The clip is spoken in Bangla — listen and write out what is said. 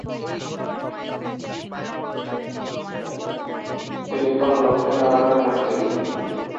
তিনি পান লক্ষীনারায়ণের মুর্তি।